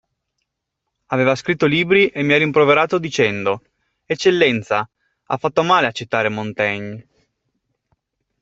Aveva scritto libri e mi ha rimproverato dicendo: Eccellenza, ha fatto male a citare Montaigne.